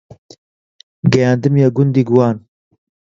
گەیاندمیە گوندی گوان